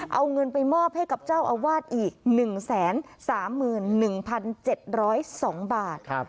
เอาเงินไปมอบให้กับเจ้าอาวาสอีก๑๓๑๗๐๒บาท